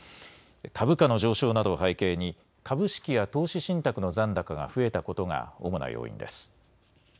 株価の上昇などを背景に株式や投資信託の残高が増えたことが主な要因です。